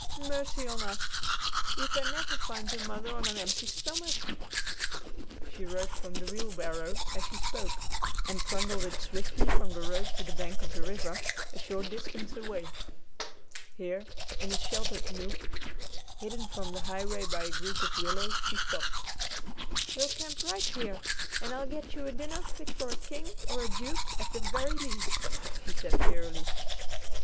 Mercy on us! You can never find your mother on an empty stomach!" She rose from the wheelbarrow, as she spoke, and trundled it swiftly from the road to the bank of the river, a short distance away. Here, in a sheltered nook, hidden from the highway by a group of willows, she stopped. "We'll camp right here, and I'll get you a dinner fit for a king or a duke, at the very least," she said cheerily.